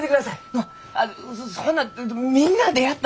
あそんなみんなあでやったら。